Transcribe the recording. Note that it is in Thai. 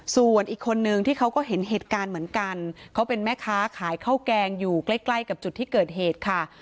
ส่วนอีกคนนึงที่เขาก็เห็นเหตุการณ์เหมือนกันเขาเป็นแม่ค้าขายข้าวแกงอยู่ใกล้ใกล้กับจุดที่เกิดเหตุค่ะ